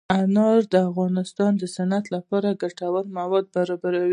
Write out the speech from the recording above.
انار د افغانستان د صنعت لپاره ګټور مواد برابروي.